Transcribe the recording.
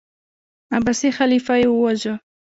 عباسي خلیفه یې وواژه.